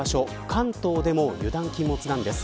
関東でも油断禁物なんです。